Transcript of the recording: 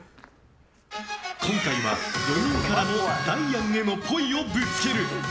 今回は４人からのダイアンへのっぽいをぶつける。